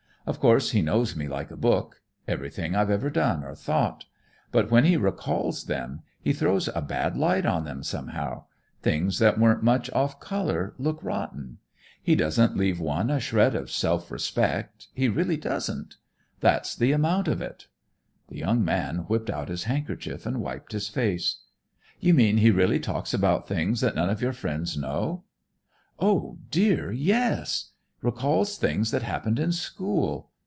Of course he knows me like a book; everything I've ever done or thought. But when he recalls them, he throws a bad light on them, somehow. Things that weren't much off color, look rotten. He doesn't leave one a shred of self respect, he really doesn't. That's the amount of it." The young man whipped out his handkerchief and wiped his face. "You mean he really talks about things that none of your friends know?" "Oh, dear, yes! Recalls things that happened in school.